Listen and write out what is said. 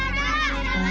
selamat siang siapa ya